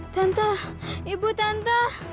tante ibu tante